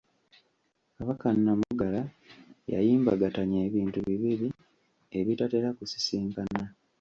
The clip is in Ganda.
Kabaka Namugala yayimbagatanya ebintu bibiri ebitatera kusisinkana.